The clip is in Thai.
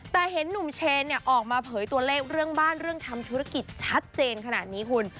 แต่เห็นหนุ่มเชนออกมาเผยตัวเลขเรื่องบ้านเรื่องทำธุรกิจชัดเจนขนาดนี้คุณ